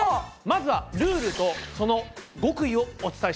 まずはルールとその極意をお伝えします！